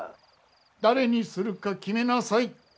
誰にするか決めなさい。